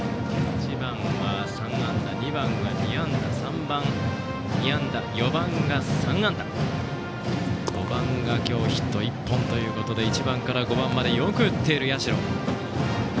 １番は３安打、２番は２安打３番は２安打、４番が３安打５番が今日ヒット１本で１番から５番までよく打っている社。